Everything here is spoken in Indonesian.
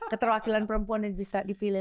keterwakilan perempuan yang bisa dipilih